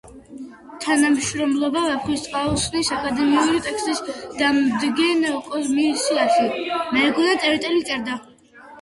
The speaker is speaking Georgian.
თანამშრომლობდა „ვეფხისტყაოსნის“ აკადემიური ტექსტის დამდგენ კომისიაში.